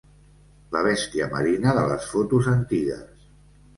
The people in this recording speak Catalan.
La bèstia marina de les fotos antigues.